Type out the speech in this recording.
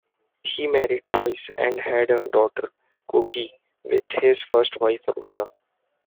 He married twice and had a daughter, "Coqui", with his first wife, Rosa.